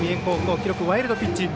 記録はワイルドピッチ。